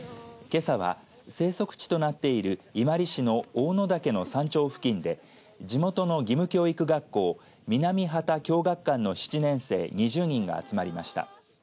けさは、生息地となっている伊万里市の大野岳の山頂付近で地元の義務教育学校南波多郷学館の７年生２０人が集まりました。